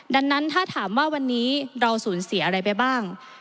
ดังนั้นถ้าถามว่าวันนี้เราสูญเสียอะไรไปบ้าง